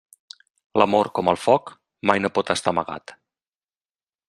L'amor, com el foc, mai no pot estar amagat.